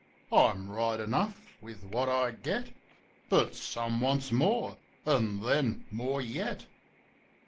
I'm right enough with what I get; But some wants more, an' then more yet.